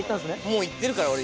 もう行ってるから俺。